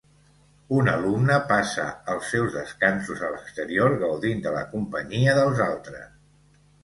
Un alumne passa els seus descansos a l'exterior gaudint de la companyia dels altres.